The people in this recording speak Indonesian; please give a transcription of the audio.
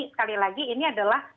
sekali lagi ini adalah